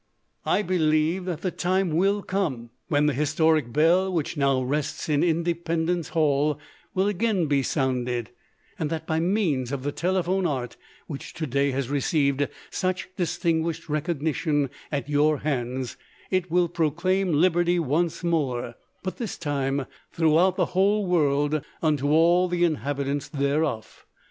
I believe that the time will come when the historic bell which now rests in Independence Hall will again be sounded, and that by means of the telephone art, which to day has received such distinguished recognition at your hands, it will proclaim liberty once more, but this time throughout the whole world unto all the inhabitants thereof.